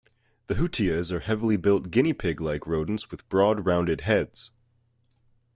The hutias are heavily built guinea pig-like rodents with broad rounded heads.